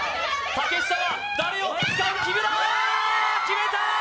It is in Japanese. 決めたー！